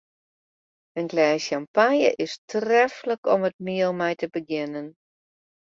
In glês sjampanje is treflik om it miel mei te begjinnen.